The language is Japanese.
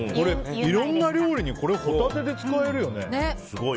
いろんな料理にホタテで使えるよね。